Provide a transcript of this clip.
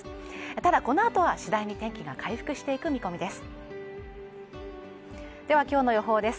ただこのあとは次第に天気が回復していく見込みです